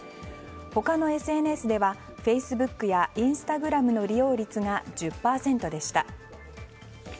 他のＳＮＳではフェイスブックやインスタグラムの利用率が１０％でした。